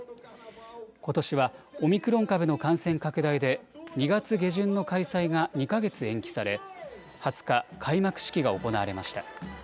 ことしはオミクロン株の感染拡大で２月下旬の開催が２か月延期され２０日、開幕式が行われました。